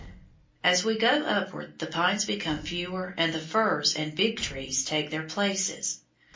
As we go upward the pines become fewer and the firs and "Big Trees" take their places.